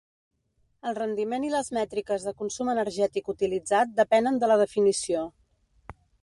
El rendiment i les mètriques de consum energètic utilitzat depenen de la definició.